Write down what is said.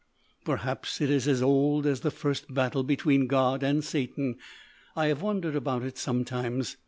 "Perhaps it is as old as the first battle between God and Satan. I have wondered about it, sometimes.